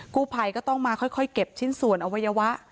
กู้ภัยก็ต้องมาค่อยเก็บชิ้นส่วนอวัยวะ